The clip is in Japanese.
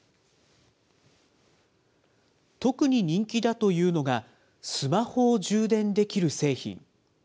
特に人気だというのが、スマホを充電できる製品。